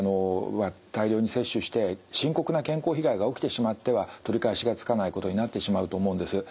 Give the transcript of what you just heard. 大量に摂取して深刻な健康被害が起きてしまっては取り返しがつかないことになってしまうと思うんです。